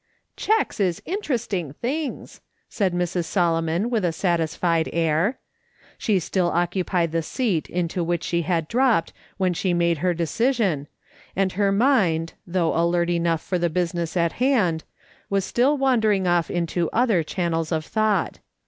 " Cheques is interesting things," said Mrs. Solomon, with a satisfied air. She still occupied the seat into which she had dropped when she made her decision, and her mind, though alert enough for the business in hand, was still wandering off into other channels of thought.